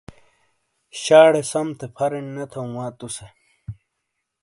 شاڑے سم تھے پھرینڈ نے تھوں وا تُو سے۔